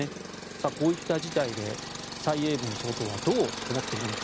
こういった事態で蔡英文総統はどう思っているのか。